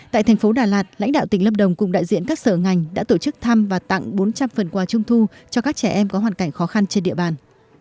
tại thành phố đà lạt lãnh đạo tỉnh lâm đồng cùng đại diện các sở ngành đã tổ chức thăm và tặng bốn trăm linh phần quà trung thu cho các trẻ em có hoàn cảnh khó khăn trên địa bàn